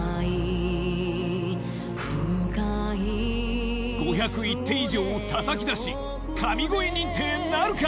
深い５０１点以上をたたき出し神声認定なるか？